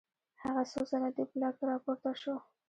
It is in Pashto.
هغه څو ځله دې بلاک ته راپورته شو